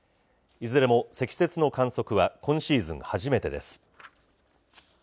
いずれも積雪の観測は今シーズン初めてです。